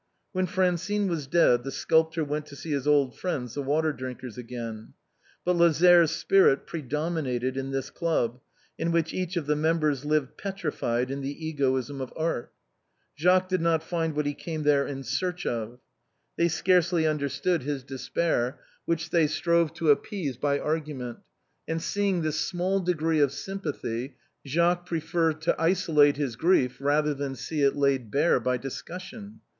When Francine was dead the sculptor went to see his old friends the Water drinkers again. But Lazare's spirit predominated in this club, in which each of the members lived petrified in the egoism of art. Jacques did not find what he came there in search of. They scarcely understood his despair, which they strove to appease by argument, and seeing this small degree of sympathy, Jacques preferred to isolate his grief rather than see it laid bare by discussion.